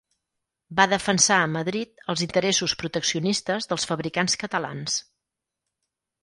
Va defensar a Madrid els interessos proteccionistes dels fabricants catalans.